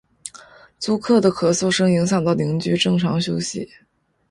租客的咳嗽声影响到邻居正常休息